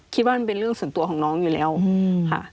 คิดว่ามันเป็นเรื่องส่วนตัวของน้องอยู่แล้วค่ะ